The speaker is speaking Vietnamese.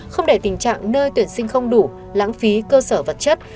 không để tình trạng nơi tuyển sinh không đủ lãng phí cơ sở vật chất